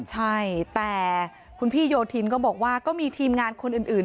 ใช่แต่คุณพี่โยธินก็บอกว่าก็มีทีมงานคนอื่น